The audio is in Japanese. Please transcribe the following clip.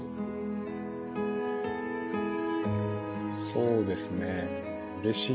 そうですね。